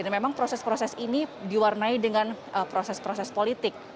dan memang proses proses ini diwarnai dengan proses proses politik